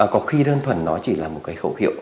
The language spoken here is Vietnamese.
có khi đơn thuần nó chỉ là một cái khẩu hiệu